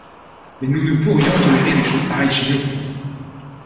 Mais nous ne pourrions tolérer des choses pareilles chez nous.